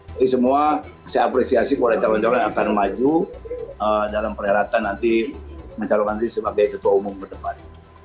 jadi semua saya apresiasi kalau calon calon yang akan maju dalam perhatian nanti mencalonkan dia sebagai ketua umum berdepan